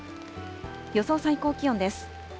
予想最高気温です。